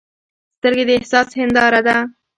سترګې د احساس هنداره ده